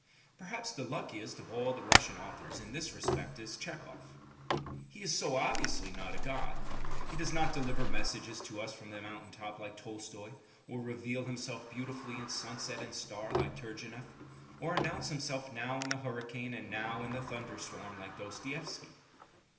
Perhaps the luckiest of all the Russian authors in this respect is Tchehov. He is so obviously not a god. He does not deliver messages to us from the mountain top like Tolstoy, or reveal himself beautifully in sunset and star like Turgenev, or announce himself now in the hurricane and now in the thunderstorm like Dostoevsky.